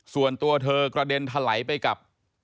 ส่วนตัวเธอกระเด็นถลายไปกับ